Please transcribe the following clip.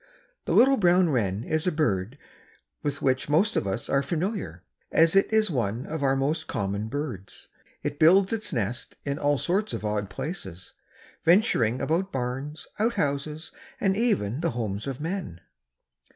The little brown wren is a bird with which most of us are familiar, as it is one of our most common birds. It builds its nest in all sorts of odd places, venturing about barns, outhouses, or even the homes of men.